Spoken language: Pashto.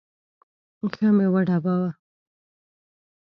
ښه مې وډباوه.